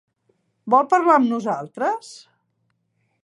Vol parlar amb nosaltres?